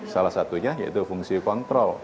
salah satunya yaitu fungsi kontrol